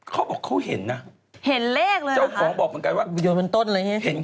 เขาบอกเขาเห็นน่ะเห็นเลขของบอกบางไกลว่าเป็นต้นเลยเห็น๙๑๑